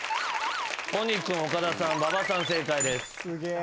都仁君岡田さん馬場さん正解です。